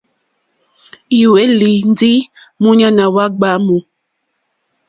Ì hwélì ndí múɲáná wá ɡbwǎmù.